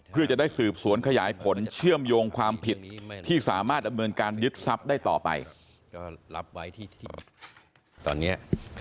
เพื่อจะได้สืบสวนขยายผลเชื่อมโยงความผิดที่สามารถดำเนินการยึดทรัพย์ได้ต่อไป